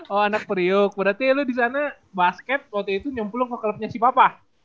oh anak priok berarti lo disana basket waktu itu nyempul lo ke clubnya si papa